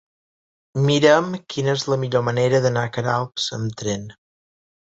Mira'm quina és la millor manera d'anar a Queralbs amb tren.